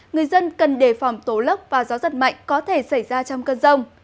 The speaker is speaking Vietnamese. người dân cần đề phòng tố lốc và gió giật mạnh có thể xảy ra trong cơn rông